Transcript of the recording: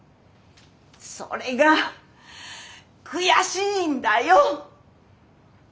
それが悔しいんだよ！